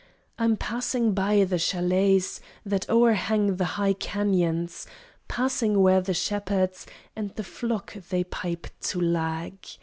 I'm passing by the chalets That o'erhang the high cañons, Passing where the shepherds And the flocks they pipe to lag.